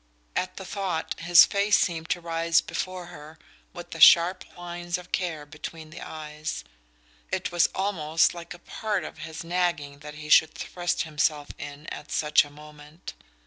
At the thought his face seemed to rise before her, with the sharp lines of care between the eyes: it was almost like a part of his "nagging" that he should thrust himself in at such a moment!